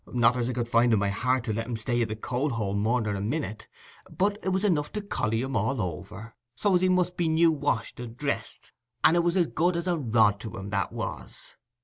Not as I could find i' my heart to let him stay i' the coal hole more nor a minute, but it was enough to colly him all over, so as he must be new washed and dressed, and it was as good as a rod to him—that was.